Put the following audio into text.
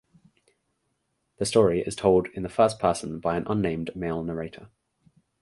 The story is told in the first person by an unnamed male narrator.